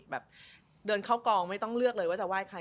แบบเดินเข้ากองไม่ต้องเลือกเลยว่าจะไหว้ใคร